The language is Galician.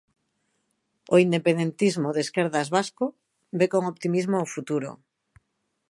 O independentismo de esquerdas vasco ve con optimismo o futuro.